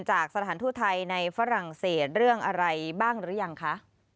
สถานทูตไทยในฝรั่งเศสเรื่องอะไรบ้างหรือยังคะ